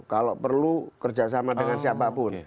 kalau perlu kerjasama dengan siapapun